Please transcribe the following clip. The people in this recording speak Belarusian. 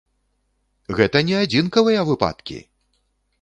Гэта не адзінкавыя выпадкі!